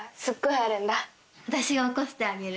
私が起こしてあげる。